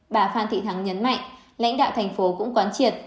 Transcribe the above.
bà phan thị thắng nhấn mạnh lãnh đạo thành phố cũng quán triệt